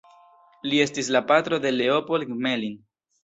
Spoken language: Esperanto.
Li estis la patro de Leopold Gmelin.